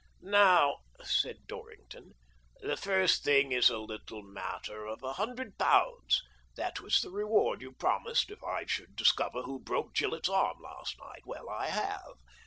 "Now," said Dorrington, "the first thing is a little matter of a hundred pounds. That was the reward you promised if I should discover who broke Gillett's arm last night. Well, I have.